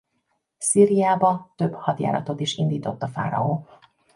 Szíriába több hadjáratot is indított a fáraó.